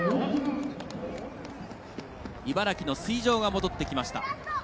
茨城の水城が戻ってきました。